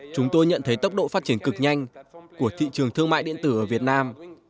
chúng tôi nhận thấy tốc độ phát triển cực nhanh của thị trường thương mại điện tử ở việt nam